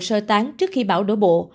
sơ tán trước khi bão đổ bộ